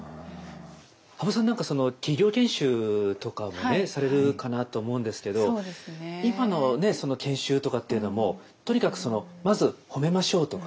羽生さん何かその企業研修とかもねされるかなと思うんですけど今のね研修とかっていうのもとにかくそのまず褒めましょうとか。